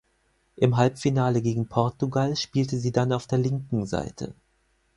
Im Halbfinale gegen Portugal spielte sie dann auf der linken Seite.